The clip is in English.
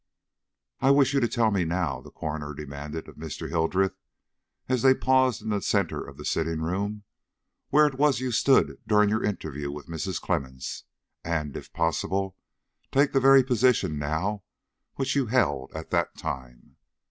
"I wish you to tell me now," the coroner demanded of Mr. Hildreth, as they paused in the centre of the sitting room, "where it was you stood during your interview with Mrs. Clemmens, and, if possible, take the very position now which you held at that time."